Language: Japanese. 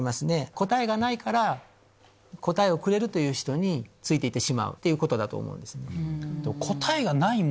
答えがないから答えをくれるという人について行ってしまうということだと思うんですね。